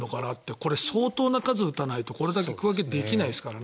これ、相当な数打たないとこれだけ区分けできないからね。